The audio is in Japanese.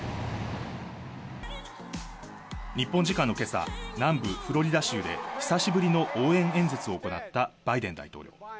日本時間の今朝、南部フロリダ州で久しぶりの応援演説を行ったバイデン大統領。